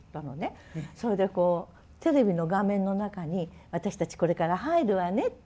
それでこうテレビの画面の中に私たちこれから入るわねって。